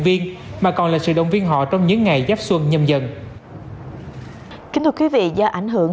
viên mà còn là sự động viên họ trong những ngày giáp xuân nhâm dần kính thưa quý vị do ảnh hưởng